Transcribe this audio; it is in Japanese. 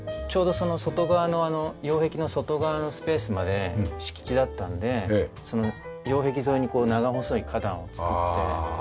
ちょうど外側の擁壁の外側のスペースまで敷地だったんで擁壁沿いに長細い花壇を作って。